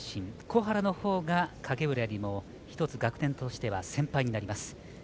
小原のほうが影浦よりも１つ学年としては先輩になります。